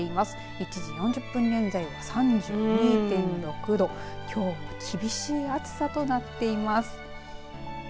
１時４０分現在は３２．６度きょうも厳しい暑さとなっています。